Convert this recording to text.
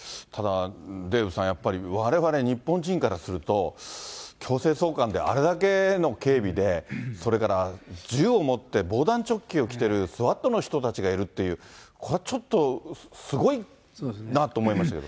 ただ、デーブさん、やっぱりわれわれ日本人からすると、強制送還であれだけの警備で、それから銃を持って防弾チョッキを着てるスワットの人たちがいるっていう、これはちょっと、すごいなと思いましたけど。